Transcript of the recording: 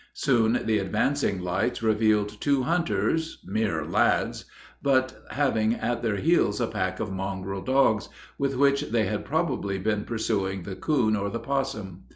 Soon the advancing lights revealed two hunters, mere lads, but having at their heels a pack of mongrel dogs, with which they had probably been pursuing the coon or the possum.